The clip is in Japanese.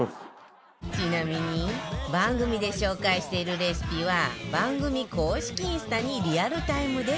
ちなみに番組で紹介しているレシピは番組公式インスタにリアルタイムで更新中